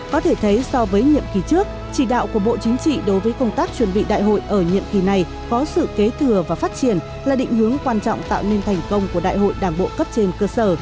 có thể thấy so với nhiệm kỳ trước chỉ đạo của bộ chính trị đối với công tác chuẩn bị đại hội ở nhiệm kỳ này có sự kế thừa và phát triển là định hướng quan trọng tạo nên thành công của đại hội đảng bộ cấp trên cơ sở